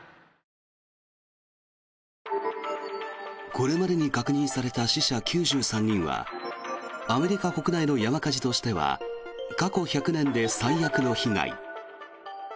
これまでに確認された死者９３人はアメリカ国内の山火事としては過去１００年で最悪の被害。